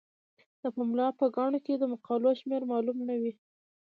د پملا په ګڼو کې د مقالو شمیر معلوم نه وي.